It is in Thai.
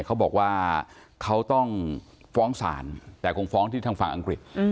เขาบอกว่าเขาต้องฟ้องศาลแต่คงฟ้องที่ทางฝั่งอังกฤษ